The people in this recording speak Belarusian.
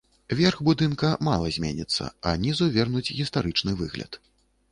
Верх будынка мала зменіцца, а нізу вернуць гістарычны выгляд.